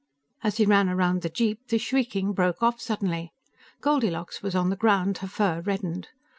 As he ran around the jeep, the shrieking broke off suddenly. Goldilocks was on the ground, her fur reddened.